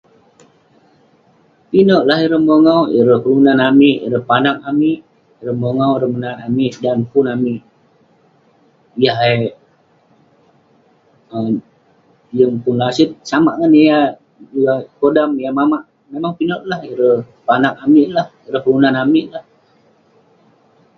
Pinek lah ireh mongau..ireh kelunan amik, ireh panak amik, ireh mongau ireh menat amik sudah mukun.. amik yah eh yeng pun laset, samak ngan yah podam, yah mamak..memang pinek lah ireh panak amik lah, ireh kelunan amik lah..